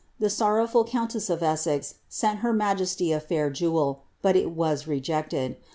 The sorrowful countess of Essex sent her majesty a fair jewel; but it w as rejected.